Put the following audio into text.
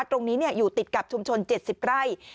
ตรงนี้อยู่ติดกับชุมชน๗๐ไร่